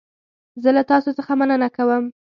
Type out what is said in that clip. زه له تاسو څخه مننه کوم.